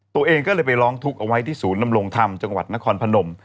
ตัวเองก็เลยไปร้องทุกข์เอาไว้ที่ศูนย์นำรงธรรมจังหวัดนครพนม